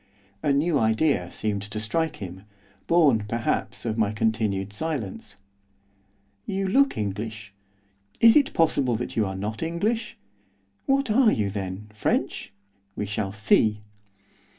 A new idea seemed to strike him, born, perhaps, of my continued silence. 'You look English, is it possible that you are not English? What are you then French? We shall see!